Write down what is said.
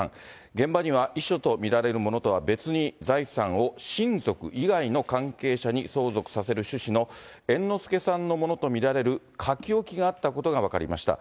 現場には遺書と見られるものとは別に、財産を親族以外の関係者に相続させる趣旨の、猿之助さんのものと見られる書き置きがあったことが分かりました。